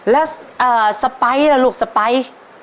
แล้วสปายล่ะลูกสปาย